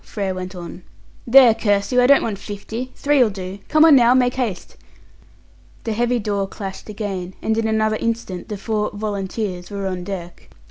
Frere went on. "There, curse you, I don't want fifty! Three'll do. Come on now, make haste!" The heavy door clashed again, and in another instant the four "volunteers" were on deck.